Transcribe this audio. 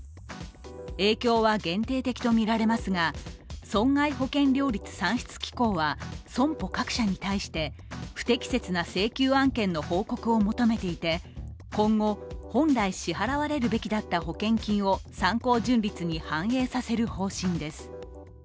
影響は限定的とみられますが損害保険料率算出機構は損保各社に対して不適切な案件の報告を求めていて今後、本来支払われるべきだった保険金を参考純率に反映させる方針です。